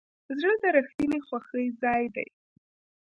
زړه د رښتینې خوښۍ ځای دی.